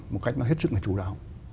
một cách nó hết sức là chủ đạo